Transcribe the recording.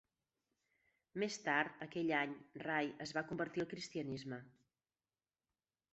Més tard aquell any Ray es va convertir al cristianisme.